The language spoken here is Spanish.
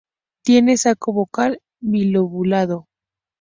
Tiene saco vocal bilobulado.